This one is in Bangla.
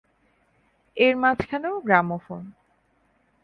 এর মাঝখানেও গ্রামোফোন।